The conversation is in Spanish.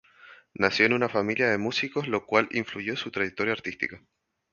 Nació en una familia de músicos, lo cual influyó su trayectoria artística.